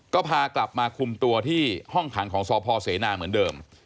ก็พากลับมาคุมตัวที่ห้องขังของสพเสนาเหมือนเดิม